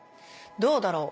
どうだろう？